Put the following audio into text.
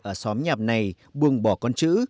ở xóm nhạp này buông bỏ con chữ